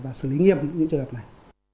và xử lý nghiêm những trường hợp này